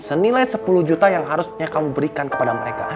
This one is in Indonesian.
senilai sepuluh juta yang harusnya kamu berikan kepada mereka